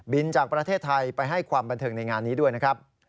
จากประเทศไทยไปให้ความบันเทิงในงานนี้ด้วยนะครับ